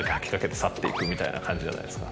みたいな感じじゃないですか。